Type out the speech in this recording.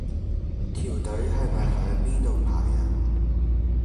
條隊係咪響呢度排呀？